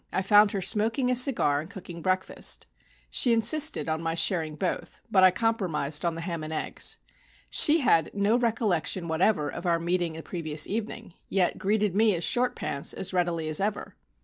I found her smoking a cigar and cooking breakfast. She insisted on my sharing both, but I compromised on the ham and eggs. She had no recollection whatever of our meeting of the previous evening, yet greeted me as "Short Pants" as readily as ever.